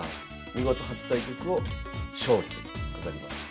見事初対局を勝利で飾ります。